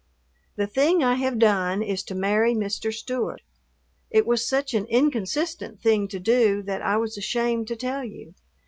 The thing I have done is to marry Mr. Stewart. It was such an inconsistent thing to do that I was ashamed to tell you.